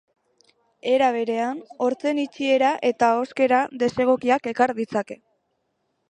Era berean, hortzen itxiera eta ahoskera desegokiak ekar ditzake.